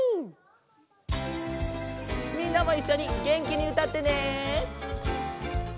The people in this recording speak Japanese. みんなもいっしょにげんきにうたってね！